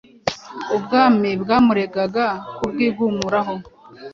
ubwami bwamuregaga kubwigumuraho.